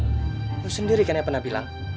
kamu sendiri kan yang pernah bilang